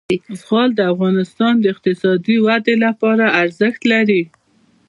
زغال د افغانستان د اقتصادي ودې لپاره ارزښت لري.